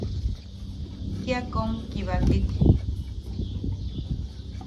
Kia kom kibakek.